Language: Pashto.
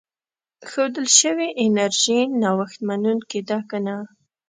ښودل شوې انرژي نوښت منونکې ده که نه.